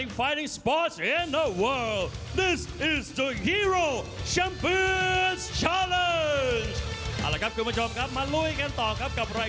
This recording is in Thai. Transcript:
นี่วิธีชัมเปียนเชิงแชมป์ตาย